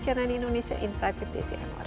cnn indonesia insight with desi anwar